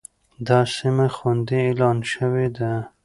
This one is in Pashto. دا سيمه خوندي اعلان شوې ده.